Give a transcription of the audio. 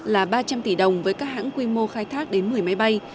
là ba trăm linh tỷ đồng với các hãng quy mô khai thác đến một mươi máy bay